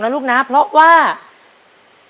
ปีหน้าหนูต้อง๖ขวบให้ได้นะลูก